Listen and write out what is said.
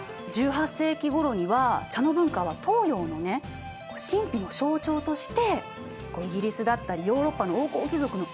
１８世紀ごろには茶の文化は東洋のね神秘の象徴としてイギリスだったりヨーロッパの王侯貴族の憧れの的になったの。